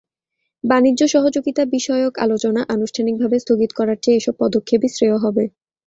বাণিজ্য সহযোগিতা–বিষয়ক আলোচনা আনুষ্ঠানিকভাবে স্থগিত করার চেয়ে এসব পদক্ষেপই শ্রেয় হবে।